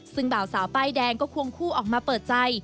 ซึ่งบ่าวสาวป้ายแดงก็ควงคู่ออกมาเปิดใจ